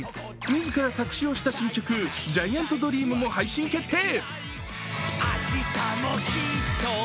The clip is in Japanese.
自ら作詞をした新曲「ジャイアントドリーム」も配信決定。